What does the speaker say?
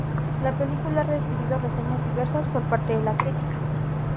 La película ha recibido reseñas diversas por parte de la crítica.